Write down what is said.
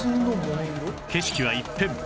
景色は一変！